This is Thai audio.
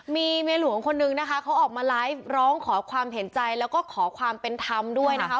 มีเมียหลวงคนนึงนะคะเขาออกมาไลฟ์ร้องขอความเห็นใจแล้วก็ขอความเป็นธรรมด้วยนะคะ